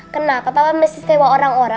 kenapa papa mesti sewa orang orang